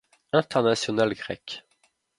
International grec.